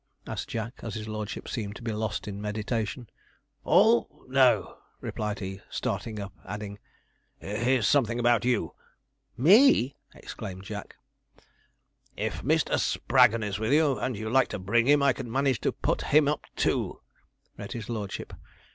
asked Jack, as his lordship seemed lost in meditation. 'All? no!' replied he, starting up, adding, 'here's something about you.' 'Me!' exclaimed Jack. '"If Mr. Spraggon is with you, and you like to bring him, I can manage to put him up too,"' read his lordship.